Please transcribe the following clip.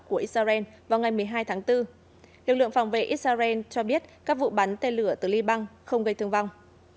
lực lượng phòng vệ israel cho biết các vụ bắn tên lửa từ libang không gây thương vong